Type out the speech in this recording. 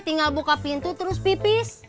tinggal buka pintu terus pipis